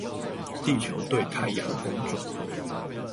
地球對太陽公轉